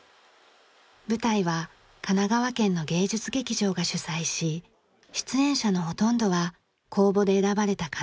舞台は神奈川県の芸術劇場が主催し出演者のほとんどは公募で選ばれた神奈川の人たち。